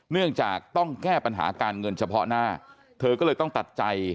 เนื่องจากต้องแก้ปัญหาการเงินเฉพาะหน้าเธอก็เลยต้องตัดใจ